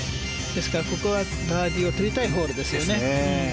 ですから、ここはバーディーを取りたいホールですよね。